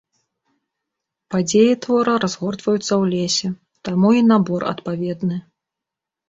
Падзеі твора разгортваюцца ў лесе, таму і набор адпаведны.